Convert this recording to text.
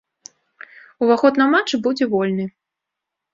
Уваход на матч будзе вольны.